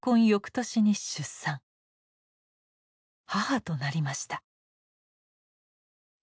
母となりました。